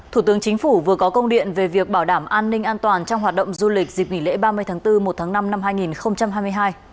thủ tướng chính phủ vừa có công điện về việc bảo đảm an ninh an toàn trong hoạt động du lịch dịp nghỉ lễ ba mươi tháng bốn một tháng năm năm hai nghìn hai mươi hai